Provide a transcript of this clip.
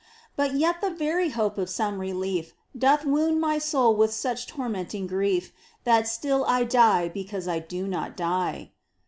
But yet the very hope of some relief Doth wound my soul with such tormenting grief. That still I die because I do not die.